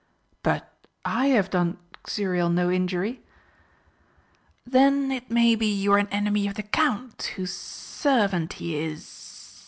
"But I have done Xuriel no injury." "Then it may be you are an enemy of the Count, whose servant he is.